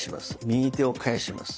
右手を返します。